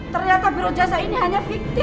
ternyata biro jasa ini hanya fikti